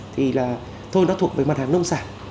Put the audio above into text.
thì là thôi nó thuộc về mặt hàng nông sản